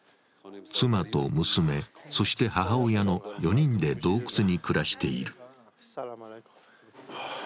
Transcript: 妻と娘、そして母親の４人で洞窟に暮らしている。